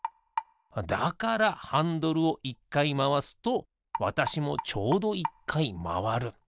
だからハンドルを１かいまわすとわたしもちょうど１かいまわる。